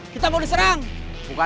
kita mau diserang